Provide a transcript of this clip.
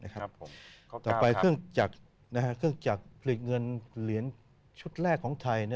ต่อไปเครื่องจักรผลิตเงินเหรียญชุดแรกของไทย